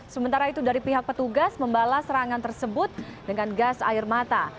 sementara itu dari pihak petugas membalas serangan tersebut dengan gas air mata